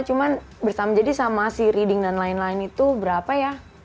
cuman bersama jadi sama si reading dan lain lain itu berapa ya